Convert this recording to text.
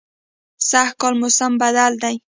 سږکال موسم بدل دی